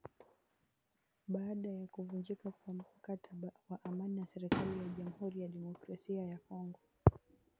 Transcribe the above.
baada ya kuvunjika kwa mkataba wa amani na serikali ya Jamuhuri ya Demokrasia ya Kongo